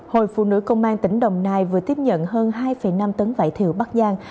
hội phụ nữ công an tỉnh đồng nai vừa tiếp nhận hơn hai năm tấn vải thiều bắc giang